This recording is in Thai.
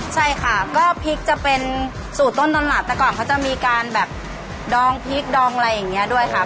ใช่ค่ะก็พริกจะเป็นสูตรต้นตำรับแต่ก่อนเขาจะมีการแบบดองพริกดองอะไรอย่างนี้ด้วยค่ะ